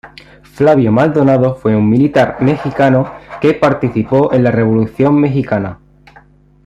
Flavio Maldonado fue un militar mexicano que participó en la Revolución mexicana.